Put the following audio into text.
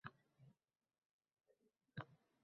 Yod bilardim alifbening harflarini